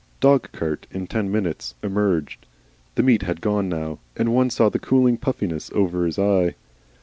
Dog cart in ten minutes. Emerged. The meat had gone now, and one saw the cooling puffiness over his eye.